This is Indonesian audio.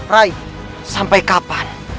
rai sampai kapan